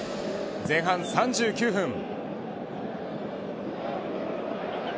前半３９分。